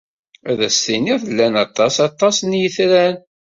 Ad as-tiniḍ llan aṭas aṭas n yetran.